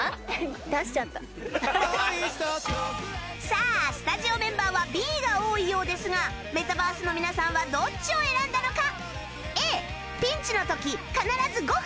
さあスタジオメンバーは Ｂ が多いようですがメタバースの皆さんはどっちを選んだのか？